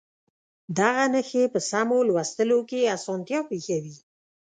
دغه نښې په سمو لوستلو کې اسانتیا پېښوي.